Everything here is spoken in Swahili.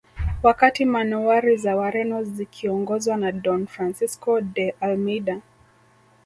Wakati manowari za Wareno zikiongozwa na Don Francisco de Almeida